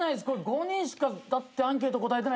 ５人しかだってアンケート答えてないからな。